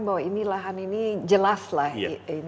bahwa ini lahan ini jelas lah